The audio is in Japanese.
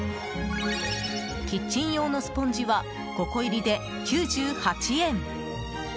キッチン用のスポンジは５個入りで９８円。